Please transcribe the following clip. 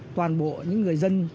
toàn bộ những người dân